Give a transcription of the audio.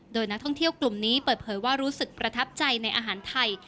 โดยนักท่องเที่ยวกลุ่มนี้เปิดเผยว่ารู้สึกประทับใจในอาหารไทย